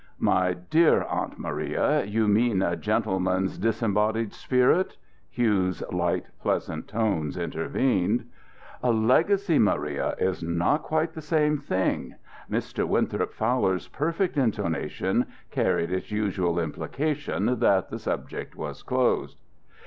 "My dear Aunt Maria, you mean a gentleman's disembodied spirit," Hugh's light, pleasant tones intervened. "A legacy, Maria, is not quite the same thing. Mr. Winthrop Fowler's perfect intonation carried its usual implication that the subject was closed.